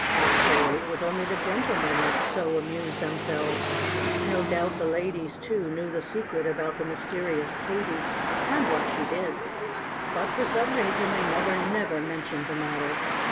Actually it was only the gentlemen that so amused themselves. No doubt the ladies, too, knew the secret about the mysterious Katy and what she did. But for some reason they never, never mentioned the matter.